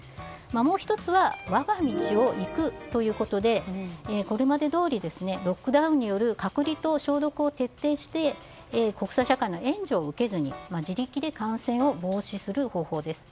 もう１つは我が道を行くということでこれまでどおりロックダウンによる隔離と消毒を徹底して国際社会の援助を受けずに自力で感染を防止する方法です。